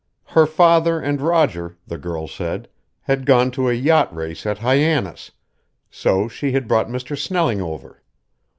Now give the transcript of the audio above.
Her father and Roger, the girl said, had gone to a yacht race at Hyannis, so she had brought Mr. Snelling over.